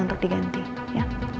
untuk diganti ya